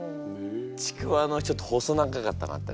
ちくわのちょっと細長かったのあったでしょ？